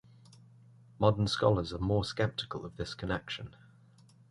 Modern scholars are more skeptical of this connection.